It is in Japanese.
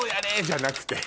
じゃなくて。